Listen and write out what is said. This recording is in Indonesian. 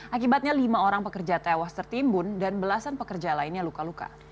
akibatnya lima orang pekerja tewas tertimbun dan belasan pekerja lainnya luka luka